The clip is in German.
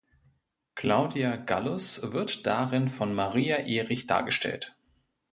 Claudia Gallus wird darin von Maria Ehrich dargestellt.